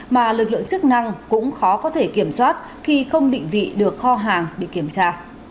mà lực lượng chức năng cũng khó có thể kiểm soát khi không định vị được kho hàng để kiểm tra